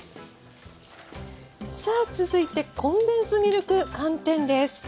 さあ続いてコンデンスミルク寒天です。